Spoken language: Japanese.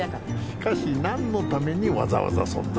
しかし何のためにわざわざそんな。